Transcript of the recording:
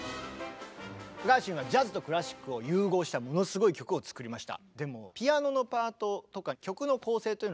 ガーシュウィンはジャズとクラシックを融合したものすごい曲を作りました。